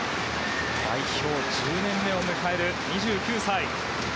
代表１０年目を迎える２９歳。